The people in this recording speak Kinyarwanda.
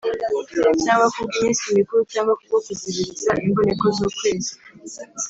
cyangwa ku bw’iminsi mikuru cyangwa ku bwo kuziririza imboneko z’ukwezi